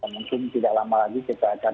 mungkin tidak lama lagi kita akan